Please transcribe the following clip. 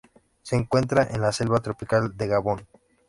Se encuentra en la selva tropical de Gabón.